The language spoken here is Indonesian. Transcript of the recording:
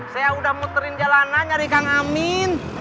saya udah muterin jalanan nyari kang amin